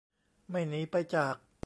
ไม่หนีไปจาก